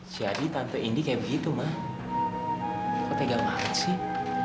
jadi tante indi kayak begitu ma kok tegal banget sih